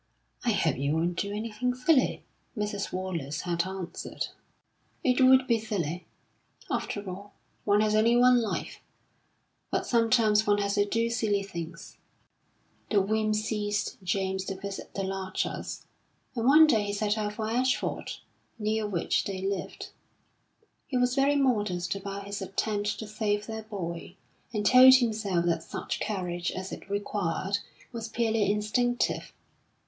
"I hope you won't do anything silly," Mrs. Wallace had answered. It would be silly. After all, one has only one life. But sometimes one has to do silly things. The whim seized James to visit the Larchers, and one day he set out for Ashford, near which they lived.... He was very modest about his attempt to save their boy, and told himself that such courage as it required was purely instinctive.